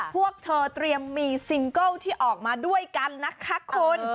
พวกเธอเตรียมมีซิงเกิลที่ออกมาด้วยกันนะคะคุณ